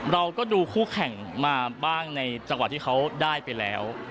เราก็ดูคู่แข่งมาบ้างในจังหวะที่เขาได้ไปแล้ว